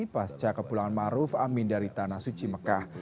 pasca kepulangan maruf amin dari tanah suci mekah